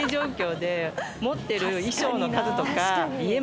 持ってる。